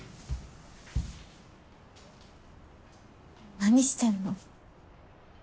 何してんの？